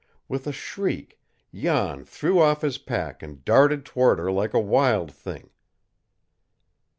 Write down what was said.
With a shriek, Jan threw off his pack and darted toward her like a wild thing.